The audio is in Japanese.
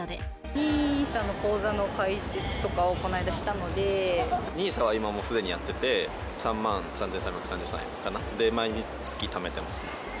ＮＩＳＡの口座の開設とかをＮＩＳＡは今もうすでにやっていて、３万３３３３円かな、毎月、ためてますね。